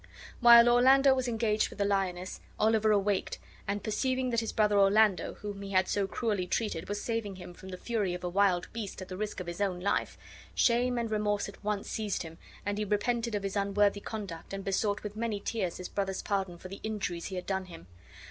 While Orlando was engaged with the lioness, Oliver awaked, and, perceiving that his brother Orlando, whom he had so cruelly treated, was saving him from the fury of a wild beast at the risk of his own life, shame and remorse at once seized him, and he repented of his unworthy conduct and besought with many tears his brother's pardon for the injuries he had done him.